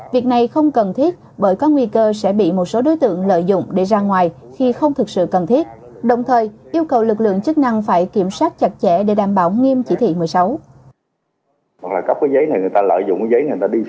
việc này không cần thiết bởi có nguy cơ sẽ bị một số đối tượng lợi dụng để ra ngoài khi không thực sự cần thiết đồng thời yêu cầu lực lượng chức năng phải kiểm soát chặt chẽ để đảm bảo nghiêm chỉ thị một mươi sáu